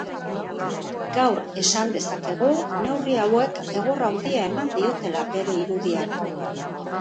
Gaur esan dezakegu neurri hauek egur handia eman diotela bere irudiari.